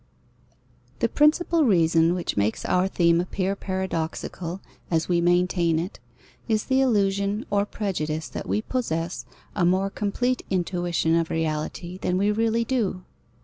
_ The principal reason which makes our theme appear paradoxical as we maintain it, is the illusion or prejudice that we possess a more complete intuition of reality than we really do.